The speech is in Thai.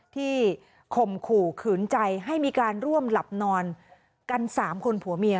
ข่มขู่ขืนใจให้มีการร่วมหลับนอนกัน๓คนผัวเมีย